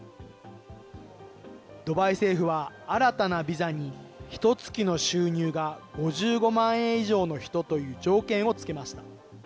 ドバイ政府は新たなビザにひとつきの収入が５５万円以上の人という条件を付けました。